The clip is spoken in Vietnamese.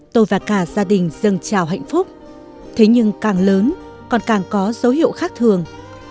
tôi và cả gia đình dân chào hạnh phúc thế nhưng càng lớn còn càng có dấu hiệu khác thường